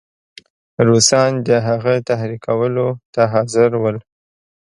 روسان د هغه تحریکولو ته حاضر ول.